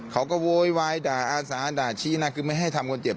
โวยวายด่าอาสาด่าชี้หน้าคือไม่ให้ทำคนเจ็บ